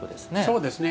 そうですね。